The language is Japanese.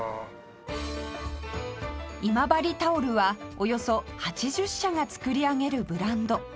今治タオルはおよそ８０社が作り上げるブランド